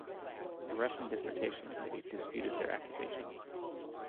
The Russian dissertation committee disputed their accusations.